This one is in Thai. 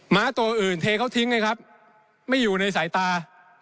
้าตัวอื่นเทเขาทิ้งไงครับไม่อยู่ในสายตา